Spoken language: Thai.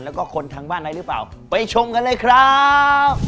แล้วก็คนทางบ้านอะไรหรือเปล่าไปชมกันเลยครับ